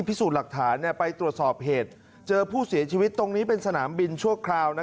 พิสูจน์หลักฐานไปตรวจสอบเหตุเจอผู้เสียชีวิตตรงนี้เป็นสนามบินชั่วคราว